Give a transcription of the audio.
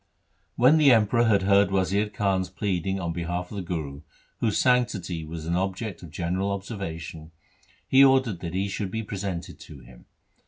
1 When the Emperor had heard Wazir Khan's pleading on behalf of the Guru, whose sanctity was an object of general observation, he ordered that he should be presented to him.